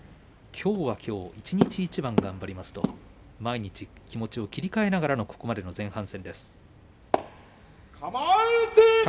きょう一日一番頑張りますと毎日気持ちを切り替えながらのここまで前半戦です。